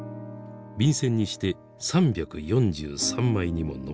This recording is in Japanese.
便箋にして３４３枚にも上りました。